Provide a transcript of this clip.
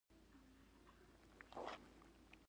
ملک هم را پیدا شو، هغه هم شخه پګړۍ وهلې وه.